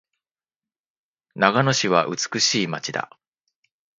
長野市は美しい街だ。